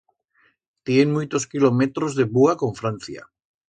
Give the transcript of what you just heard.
Tien muitos kilometros de búa con Francia.